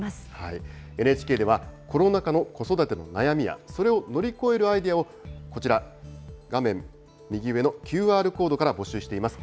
ＮＨＫでは、コロナ禍の子育ての悩みや、それを乗り越えるアイデアをこちら、画面右上のＱＲコードから募集しています。